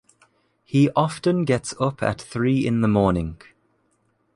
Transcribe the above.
He often gets up at three in the morning